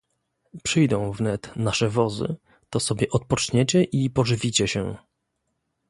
"Przyjdą wnet nasze wozy, to sobie odpoczniecie i pożywicie się."